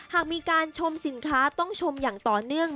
หากมีการชมสินค้าต้องชมอย่างต่อเนื่อง